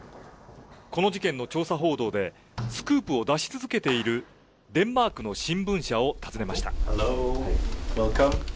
この事件の調査報道で、スクープを出し続けているデンマークの新聞社を訪ねました。